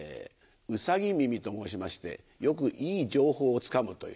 兎耳と申しましてよくいい情報をつかむという。